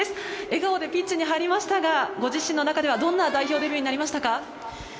笑顔でピッチに入りましたが、どんな代表デビューになりましたか？